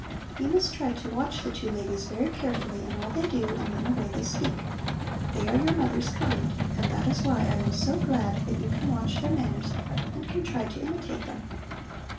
You must try to watch the two ladies very carefully in all they do and in the way they speak. They are your mother's kind, and that is why I am so glad that you can watch their manners and can try to imitate them.